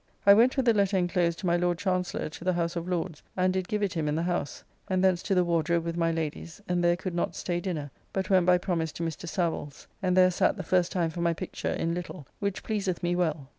I went with the letter inclosed to my Lord Chancellor to the House of Lords, and did give it him in the House. And thence to the Wardrobe with my Lady's, and there could not stay dinner, but went by promise to Mr. Savill's, and there sat the first time for my picture in little, which pleaseth me well.